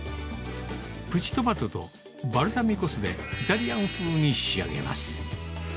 プチトマトとバルサミコ酢でイタリアン風に仕上げます。